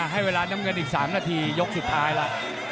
ให้เวลาน้ำเงินอีก๓นาทียกสุดท้ายแล้ว